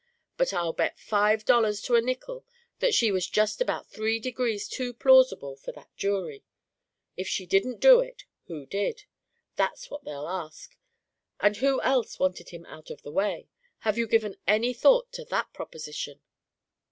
But I'll bet five dollars to a nickel that she was just about three degrees too plausible for that jury. If she didn't do it, who did? That's what they'll ask. And who else wanted him out of the way? Have you given any thought to that proposition?"